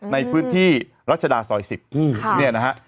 ในพื้นที่รัชดาซอย๑๐เนี่ยนะฮะ